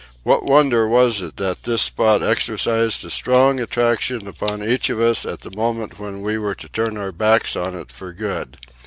What wonder was it that this spot exercised a strong attraction upon each of us at the moment when we were to turn our backs upon it for good?